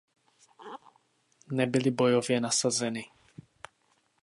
Nebyly bojově nasazeny.